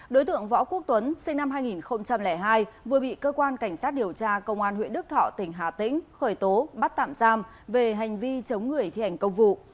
đối tượng võ quốc tuấn sinh năm hai nghìn hai vừa bị cơ quan cảnh sát điều tra công an huyện đức thọ tỉnh hà tĩnh khởi tố bắt tạm giam về hành vi chống người thi hành công vụ